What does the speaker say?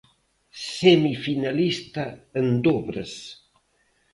Semifinalista en dobres.